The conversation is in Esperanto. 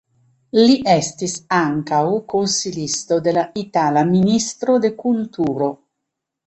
Li estis ankaŭ konsilisto de la itala ministro de kulturo.